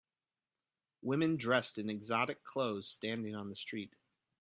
Women dressed in exotic clothes standing on the street